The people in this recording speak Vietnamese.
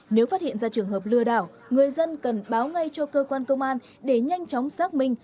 nếu phát hiện ra trường hợp lừa đảo người dân cần báo ngay cho cơ quan công an để nhanh chóng xác minh